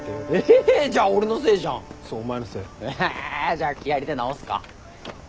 じゃあ気合入れて直すか。